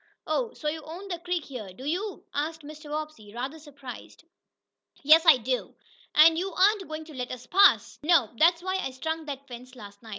"Oh, so you own the creek here, do you?" asked Mr. Bobbsey, rather surprised. "Yes, I do." "And you aren't going to let us pass?" "Nope! That's why I strung that fence last night.